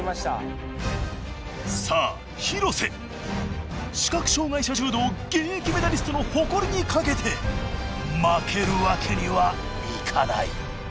さあ廣瀬視覚障がい者柔道現役メダリストの誇りに懸けて負けるわけにはいかない。